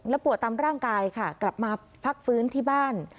ปวดตามร่างกายค่ะกลับมาพักฟื้นที่บ้าน